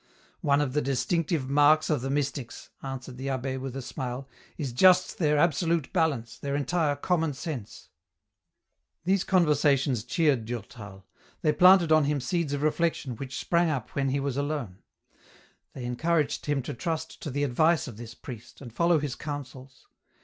" One of the distinctive marks of the mystics," answered the abb6, with a smile, " is just their absolute balance, their entire common sense." These conversations cheered Durtal ; they planted on him seeds of reflection which sprang up when he was alone ; they encouraged him to trust to the advice of this priest, and follow his counsels.